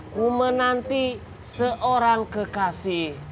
ku menanti seorang kekasih